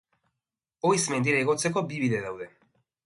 Oiz mendira igotzeko bi bide daude.